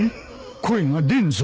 声が出んぞ